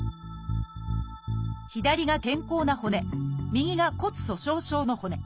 左が健康な骨右が骨粗しょう症の骨。